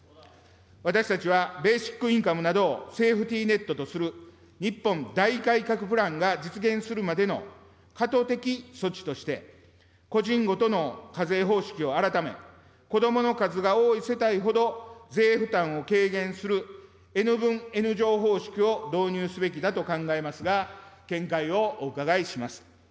私たちはベーシックインカムなどをセーフティネットとする日本大改革プランが実現するまでの過渡的措置として、個人ごとの課税方式を改め、こどもの数が多い世帯ほど税負担を軽減する、Ｎ分Ｎ乗方式を導入すべきだと考えますが、見解をお伺いします。